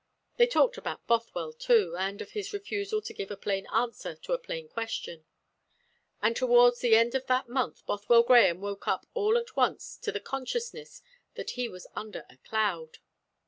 They talked about Bothwell, too, and of his refusal to give a plain answer to a plain question; and towards the end of that month Bothwell Grahame woke up all at once to the consciousness that he was under a cloud.